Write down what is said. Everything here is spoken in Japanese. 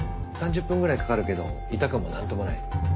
３０分くらいかかるけど痛くもなんともない。